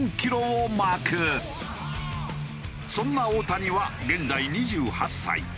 そんな大谷は現在２８歳。